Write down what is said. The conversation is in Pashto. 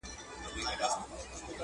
له احتیاجه چي سي خلاص بادار د قام وي.!.!